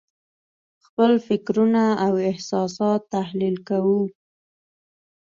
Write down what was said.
خپل فکرونه او احساسات تحلیل کوو.